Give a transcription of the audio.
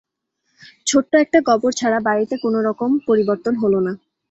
ছোট্ট একটা কবর ছাড়া বাড়িতে কোনোরকম পরিবর্তন হল না।